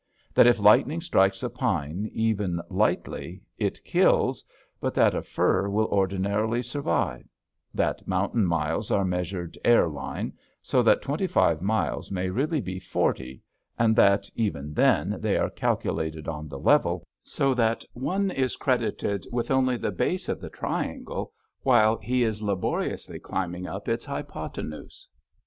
That if lightning strikes a pine even lightly, it kills, but that a fir will ordinarily survive; that mountain miles are measured air line, so that twenty five miles may really be forty, and that, even then, they are calculated on the level, so that one is credited with only the base of the triangle while he is laboriously climbing up its hypotenuse.